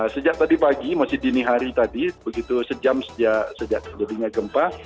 sejak tadi pagi masih dini hari tadi begitu sejam sejak terjadinya gempa